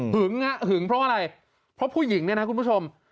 หึงเพราะอะไรเพราะผู้หญิงเนี่ยนะคุณผู้ชม